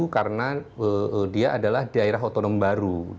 karena dia adalah daerah otonom baru